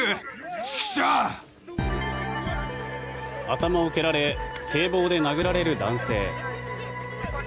頭を蹴られ警棒で殴られる男性。